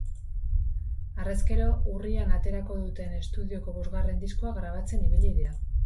Harrezkero, urrian aterako duten esudioko bosgarren diskoa grabatzen ibili dira.